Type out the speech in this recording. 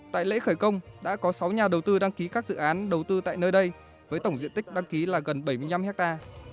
tại lễ khởi công đã có sáu nhà đầu tư đăng ký các dự án đầu tư tại nơi đây với tổng diện tích đăng ký là gần bảy mươi năm hectare